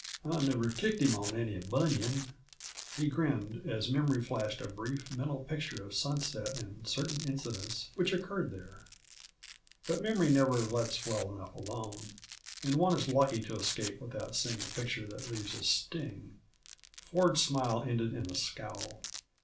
I never kicked him on any bunion!" He grinned, as memory flashed a brief, mental picture of Sunset and certain incidents which occurred there. But memory never lets well enough alone, and one is lucky to escape without seeing a picture that leaves a sting; Ford's smile ended in a scowl.